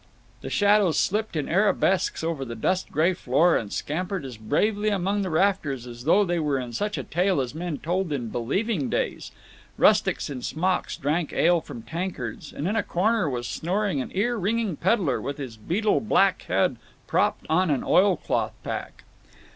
The shadows slipped in arabesques over the dust gray floor and scampered as bravely among the rafters as though they were in such a tale as men told in believing days. Rustics in smocks drank ale from tankards; and in a corner was snoring an ear ringed peddler with his beetle black head propped on an oilcloth pack.